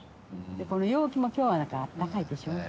この陽気も今日はあったかいでしょう。